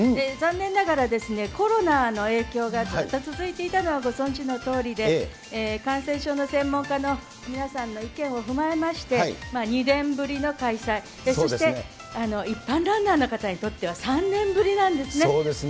残念ながらですね、コロナの影響がずっと続いていたのはご存じのとおりで、感染症の専門家の皆さんの意見を踏まえまして、２年ぶりの開催、そして一般ランナーの方にとっては３年ぶりなんですね。